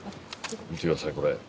見てくださいこれ。